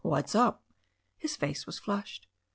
"What's up ?" His face was flushed.